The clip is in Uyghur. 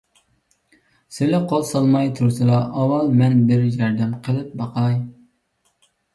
سىلى قول سالماي تۇرسىلا، ئاۋۋال مەن بىر ياردەم قىلىپ باقاي.